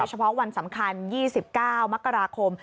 เฉพาะวันสำคัญ๒๙มกราคม